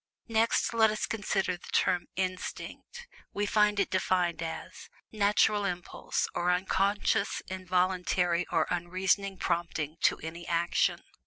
Next, let us consider the term, "INSTINCT"; we find it defined as "NATURAL IMPULSE, OR UNCONSCIOUS, INVOLUNTARY, OR UNREASONING PROMPTING TO ANY ACTION."